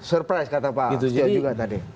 surprise kata pak setio juga tadi